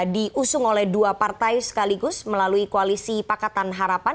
diusung oleh dua partai sekaligus melalui koalisi pakatan harapan